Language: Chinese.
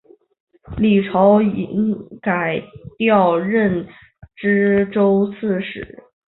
李朝隐改调任岐州刺史。